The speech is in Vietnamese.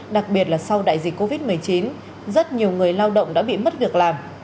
đặc biệt là sau đại dịch covid một mươi chín rất nhiều người lao động đã bị mất việc làm